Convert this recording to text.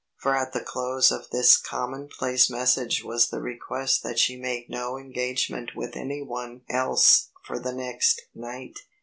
For at the close of this commonplace message was the request that she make no engagement with any one else for the next night.